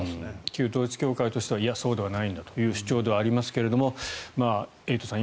旧統一教会としてはいやそうではないんだという主張ではありますがエイトさん